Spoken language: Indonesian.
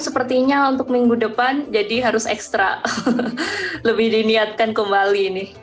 sepertinya untuk minggu depan jadi harus ekstra lebih diniatkan kembali nih